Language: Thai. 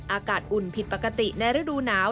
อุ่นผิดปกติในฤดูหนาว